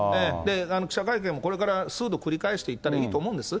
記者会見もこれから数度繰り返していったらいいと思うんです。